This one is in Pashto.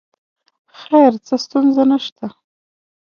خیر څه ستونزه نه شته.